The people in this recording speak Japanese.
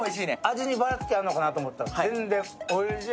味にばらつきあるのかなと思ったら全然、めちゃおいしい。